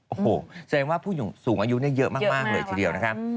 โอ้โหแสดงว่าผู้สูงอายุเยอะมากเลยทีเดียวนะครับ